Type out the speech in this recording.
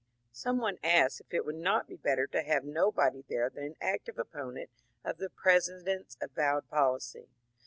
Some one asked if it would not be better to have nobody there than an active opponent of the President's avowed policy.